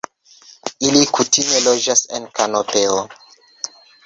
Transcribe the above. Ili kutime loĝas en kanopeo.